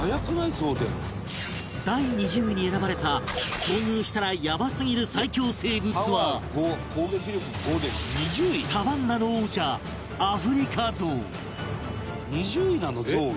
ゾウ出るの」第２０位に選ばれた遭遇したらヤバすぎる最恐生物はサバンナの王者アフリカゾウ